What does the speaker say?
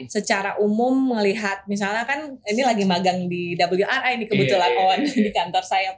secara umum melihat misalnya kan ini lagi magang di wri nih kebetulan owen di kantor saya pak